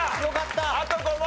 あと５問。